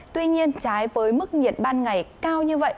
tuy nhiên trái với mức nhiệt ban ngày cao như vậy